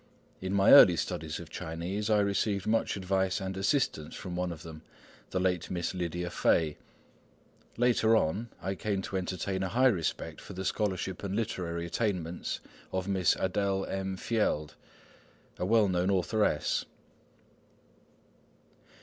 In my early studies of Chinese I received much advice and assistance from one of them, the late Miss Lydia Fay. Later on, I came to entertain a high respect for the scholarship and literary attainments of Miss Adèle M. Fielde, a well known authoress.